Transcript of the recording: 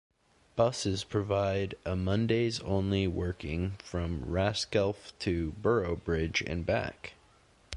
Buses provide a Mondays only working from Raskelf to Boroughbridge and back.